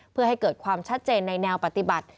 เพื่อให้เกิดความชัดเจนในแนวปฏิบัติ